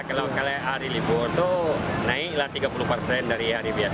kalau hari libur naiklah tiga puluh persen dari hari biasa